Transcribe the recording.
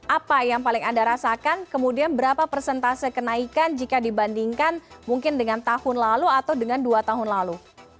apa yang paling anda rasakan kemudian berapa persentase kenaikan jika dibandingkan mungkin dengan tahun lalu atau dengan dua tahun lalu